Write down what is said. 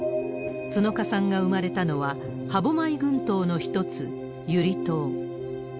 角鹿さんが生まれたのは、歯舞群島の一つ、勇留島。